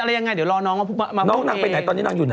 ยังไงเดี๋ยวรอน้องมาน้องนางไปไหนตอนนี้นางอยู่ไหน